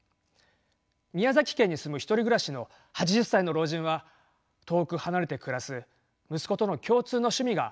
宮崎県に住む１人暮らしの８０歳の老人は遠く離れて暮らす息子との共通の趣味がヒルクライムでした。